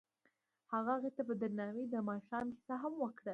هغه هغې ته په درناوي د ماښام کیسه هم وکړه.